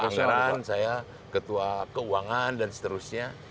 ketua asaran saya ketua keuangan dan seterusnya